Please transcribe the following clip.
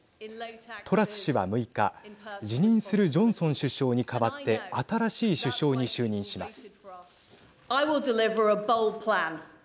トラス氏は６日辞任するジョンソン首相に代わって新しい首相に就任します。